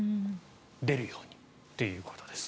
出るようにということです。